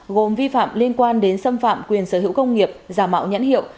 gồm vi phạm liên quan đến xâm phạm quyền sở hữu công nghiệp giả mạo nhãn hiệu